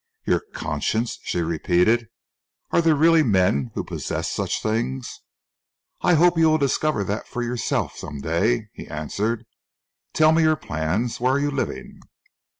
"Your conscience?" she repeated. "Are there really men who possess such things?" "I hope you will discover that for yourself some day," he answered. "Tell me your plans? Where are you living?"